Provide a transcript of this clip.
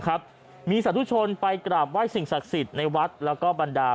ครับมีสาธุชนไปกราบไหว้สิ่งศักดิ์สิทธิ์ในวัดแล้วก็บรรดา